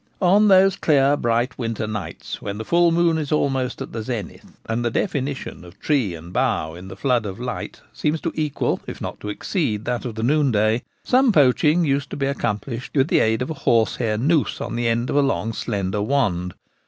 On those clear, bright winter nights when the full moon is almost at the zenith, and the ' definition ' of tree and bough in the flood of light seems to equal if not to exceed that of the noonday, some poaching used to be accomplished with the aid of a horsehair noose on the end of a long slender wand.